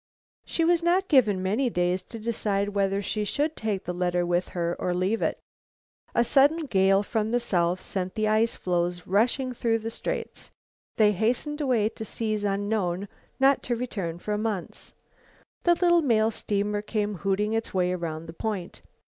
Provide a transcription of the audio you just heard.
She was not given many days to decide whether she should take the letter with her or leave it. A sudden gale from the south sent the ice floes rushing through the Straits. They hastened away to seas unknown, not to return for months. The little mail steamer came hooting its way around the Point.